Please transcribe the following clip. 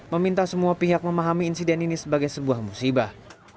meminta semua pihak memahami insiden ini sebagai sebuah musibah